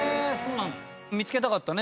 見つけたかったらね